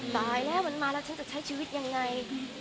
ตายแล้วมันมาแล้วฉันจะใช้ชีวิตยังไง